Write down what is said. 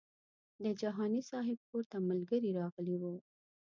د جهاني صاحب کور ته ملګري راغلي وو.